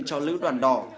cho lữ đoàn đỏ